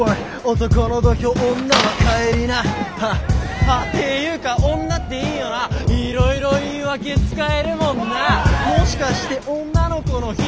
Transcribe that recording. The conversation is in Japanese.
男の土俵女は帰りなてゆーか女っていいよな色々言い訳つかえるもんなもしかして女の子の日？